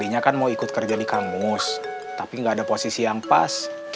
makanya kan mau ikut kerja di kamus tapi gak ada posisi yang pas